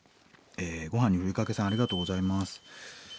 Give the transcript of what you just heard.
ごはんにふりかけさんありがとうございます。